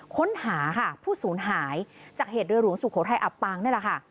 ค้นหาค่ะผู้สูญหายจากเหตุเรือหลวงสุโขทัยอับปางนี่แหละค่ะ